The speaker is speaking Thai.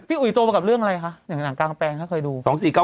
พี่อุยโตกับเรื่องอะไรค่ะแก่นางกางเปลงเขาเคยดู